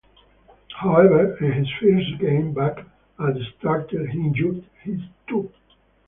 However, in his first game back as starter he injured his toe.